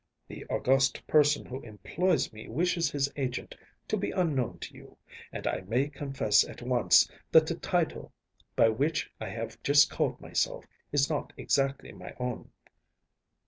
“The august person who employs me wishes his agent to be unknown to you, and I may confess at once that the title by which I have just called myself is not exactly my own.